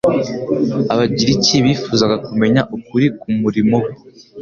Abagiriki bifuzaga kumenya ukuri k'umurimo we.